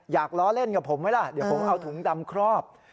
ล้อเล่นกับผมไหมล่ะเดี๋ยวผมเอาถุงดำครอบ